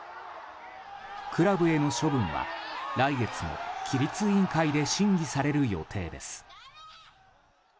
クラブへの処分は来月の規律委員会で審議される予定です。